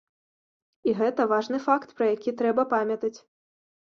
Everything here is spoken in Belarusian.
І гэта важны факт, пра які трэба памятаць.